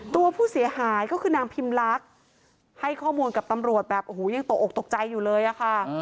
ตัวผู้เสียหายก็คือนางพิมลักษณ์ให้ข้อมูลกับตำรวจแบบโอ้โหยังตกออกตกใจอยู่เลยอะค่ะ